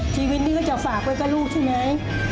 ชีวิตนี้ก็จะฝากเงินคนใหม่ผู้ได้ไหม